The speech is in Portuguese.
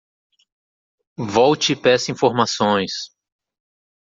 Volte e peça informações.